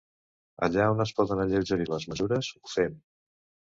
Allà on podem alleugerir les mesures, ho fem.